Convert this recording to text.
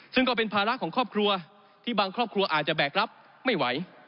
ซึ่งก็เป็นภาระของครอบครัวที่บางครอบครัวอาจจะแบกรับไม่ไหว